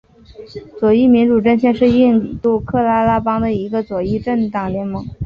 左翼民主阵线是印度喀拉拉邦的一个左翼政党联盟。